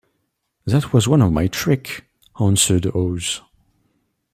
"That was one of my tricks," answered Oz.